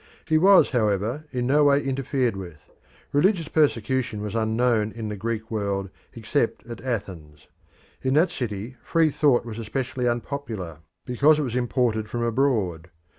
He was, however, in no way interfered with; religious persecution was unknown in the Greek world except at Athens. In that city free thought was especially unpopular because it was imported from abroad.